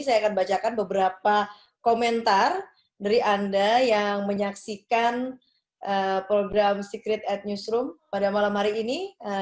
saya akan bacakan beberapa komentar dari anda yang menyaksikan program secret at newsroom pada malam hari ini